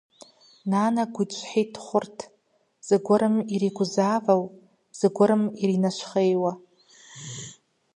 Нанэ гуитӀщхьитӀ хъурт, зыгуэрым иригузавэу, зыгуэрым иринэщхъейуэ.